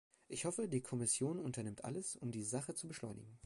Ich hoffe, die Kommission unternimmt alles, um die Sache zu beschleunigen.